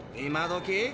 今どき？